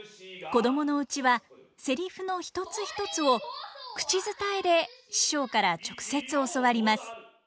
子供のうちはセリフの一つ一つを口伝えで師匠から直接教わります。